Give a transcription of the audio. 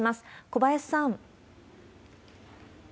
小林さん。